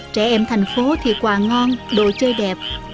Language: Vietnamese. trẻ em thành phố thì quà ngon đồ chơi đẹp